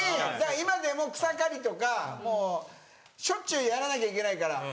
今でも草刈りとかもうしょっちゅうやらなきゃいけないから。